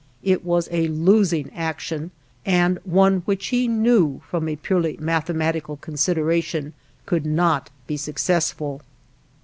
It was a losing action, and one which he knew, from a purely mathematical consideration, could not be successful.